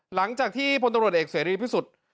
หลังจากที่พลตำรวจเอกเสรีพิสุทธิ์